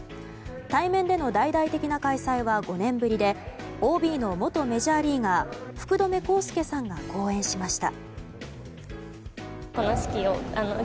対面での大々的な開催は５年ぶりでＯＢの元メジャーリーガー福留孝介さんが講演しました。